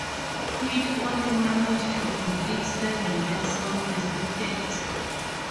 Hill only managed to complete seven laps of the circuit.